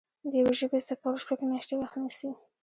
د یوې ژبې زده کول شپږ میاشتې وخت نیسي